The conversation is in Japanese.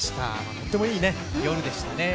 とてもいい夜でしたね。